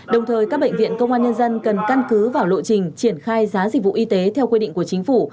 đồng thời các bệnh viện công an nhân dân cần căn cứ vào lộ trình triển khai giá dịch vụ y tế theo quy định của chính phủ